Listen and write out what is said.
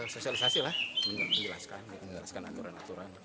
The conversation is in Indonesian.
sosialisasi lah menjelaskan aturan aturan